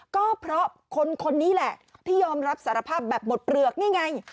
ก็เพราะคนนี้แหละที่ยอมรับสารภาพแบบหมดเปลือกนี่ไง